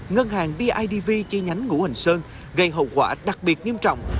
ngân hàng bidv chi nhánh ngũ hành sơn gây hậu quả đặc biệt nghiêm trọng